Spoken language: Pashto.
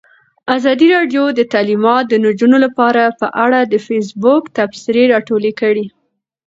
ازادي راډیو د تعلیمات د نجونو لپاره په اړه د فیسبوک تبصرې راټولې کړي.